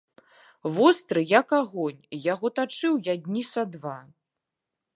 Востры, як агонь, яго тачыў я дні са два.